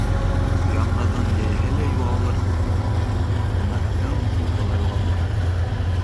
Яңғыҙҙың йәйәһе лә юғалыр, күмәктең уғы ла юғалмаҫ.